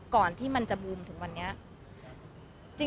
ก่อนที่มันจะบูมถึงวันนี้